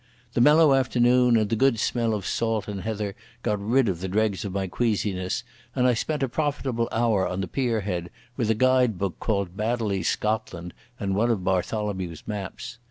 The mellow afternoon and the good smell of salt and heather got rid of the dregs of my queasiness, and I spent a profitable hour on the pier head with a guide book called Baddely's Scotland, and one of Bartholomew's maps.